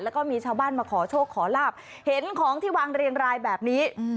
แล้วก็มีชาวบ้านมาขอโชคขอลาบเห็นของที่วางเรียงรายแบบนี้